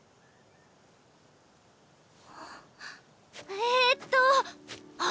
えーっとあ！